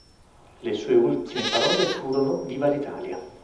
Le sue ultime parole furono: "Viva l'Italia!